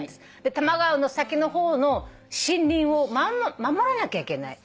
多摩川の先の方の森林を守らなきゃいけない。